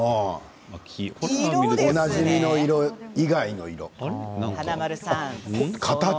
おなじみの色以外のもの。